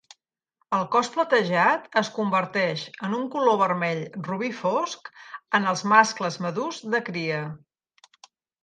El cos platejat es converteix en un color vermell robí fosc en els mascles madurs de cria.